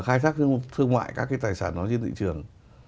khai thác thương mại các cái tài sản đó trên thị trường